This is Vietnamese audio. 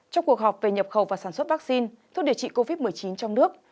trong cuộc họp về nhập khẩu và sản xuất vaccine thuốc điều trị covid một mươi chín trong nước